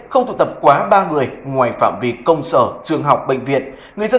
không thu tập quá ba mươi ngoài phạm vi công sở trường học bệnh viện